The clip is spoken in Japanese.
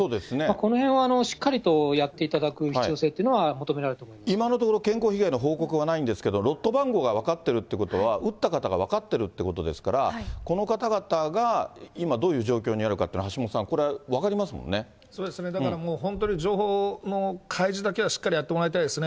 このへんはしっかりとやっていただく必要性というのは求められる今のところ、健康被害の報告はないんですけども、ロット番号が分かってるってことは、打った方は分かってるってことですから、この方々が今、どういう状況にあるかというのは、橋下さん、これ、そうですね、だからもう本当に、情報の開示だけはしっかりやってもらいたいですね。